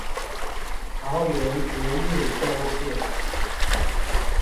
桃園捷運棕線